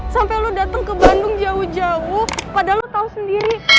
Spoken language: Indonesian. sampai lo datang ke bandung jauh jauh padahal lo tahu sendiri